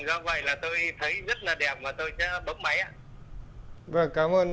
do vậy là tôi thấy rất là đẹp và tôi bấm máy ạ